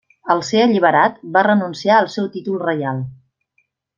Al ser alliberat, va renunciar al seu títol reial.